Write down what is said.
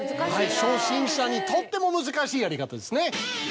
初心者にとっても難しいやり方ですね。